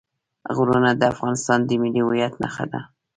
غرونه د افغانستان د ملي هویت نښه ده.